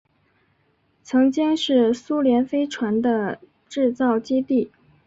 曾经是苏联飞船的制造基地。